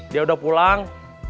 dia udah pulang